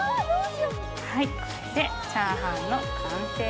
はいチャーハンの完成です。